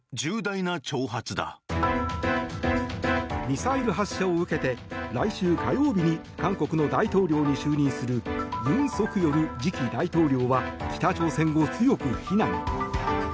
ミサイル発射を受けて来週火曜日に韓国の大統領に就任する尹錫悦次期大統領は北朝鮮を強く非難。